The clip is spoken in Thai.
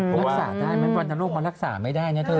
เล่นวันโรคมารักษาไม่ได้นี่เถอะ